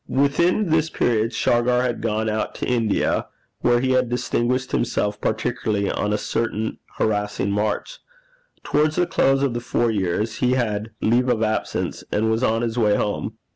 Within this period Shargar had gone out to India, where he had distinguished himself particularly on a certain harassing march. Towards the close of the four years he had leave of absence, and was on his way home.